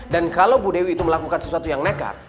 dan kalau bu dewi itu melakukan sesuatu yang nekar